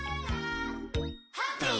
「ハッピー！